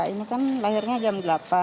ini kan lahirnya jam delapan